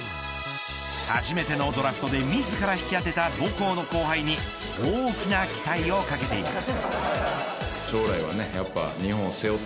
初めてのドラフトで自ら引き当てた母校の後輩に大きな期待をかけています。